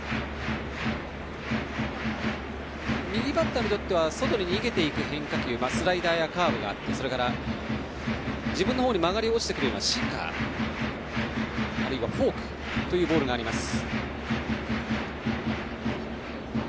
右バッターにとっては外に逃げる変化球スライダーやカーブがあってそれから、自分のほうに曲がり落ちてくるシンカーあるいはフォークというボールがあります。